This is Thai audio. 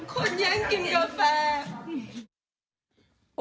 คนแย่งกินกาแฟ